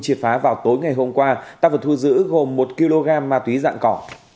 triệt phá vào tối ngày hôm qua ta vừa thu giữ gồm một kg ma túy dạng cỏ